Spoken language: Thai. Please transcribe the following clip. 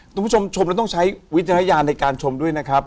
คุณผู้ชมชมแล้วต้องใช้วิจารณญาณในการชมด้วยนะครับ